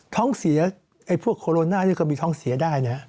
ท้องเสียไอ้พวกโคโรนานี่ก็มีท้องเสียได้นะ